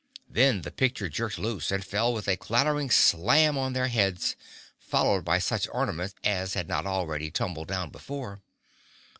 Then the picture jerked loose and fell with a clattering slam on their heads, followed by such ornaments as had not already tumbled down before.